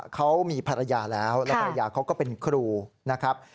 เขามีภรรยาแล้วแล้วภรรยาเขาก็เป็นครูนะครับ